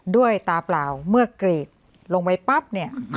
ด้วยตาเปล่าเมื่อกรีดลงไปปั๊บเนี่ย